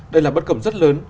đây là bất cầm rất lớn